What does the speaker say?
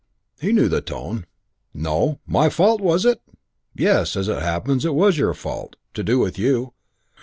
He knew the tone. "No. My fault, was it?" "Yes. As it happens, it was your fault to do with you."